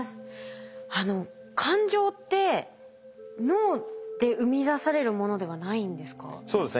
あの感情って脳で生み出されるものではないんですか？